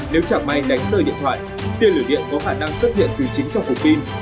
nếu chẳng may đánh rơi điện thoại tiên lửa điện có khả năng xuất hiện từ chính trong phục pin